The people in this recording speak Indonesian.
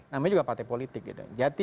namanya juga partai politik gitu